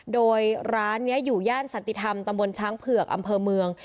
โดยร้านนี้อยู่ย่านสันติธรรมตำบลช้างเผือกอำเภอเมือง